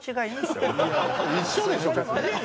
一緒でしょ別に。